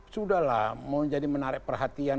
sudah lah mau jadi menarik perhatian